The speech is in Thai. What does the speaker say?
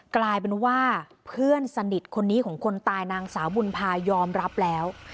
กลายเป็นว่าเพื่อนสนิทคนนี้ของคนตายนางสาวบุญพายอมรับแล้ว